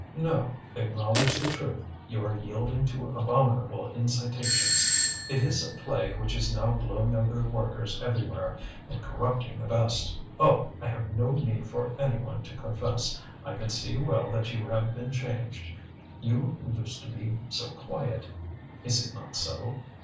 "No, acknowledge the truth: you are yielding to abominable incitations. It is a plague which is now blowing over the workers everywhere, and corrupting the best. Oh! I have no need for any one to confess. I can see well that you have been changed, you who used to be so quiet. Is it not so?